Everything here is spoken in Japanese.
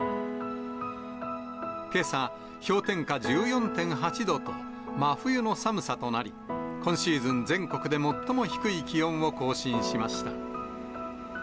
けさ、氷点下１４．８度と、真冬の寒さとなり、今シーズン全国で最も低い気温を更新しました。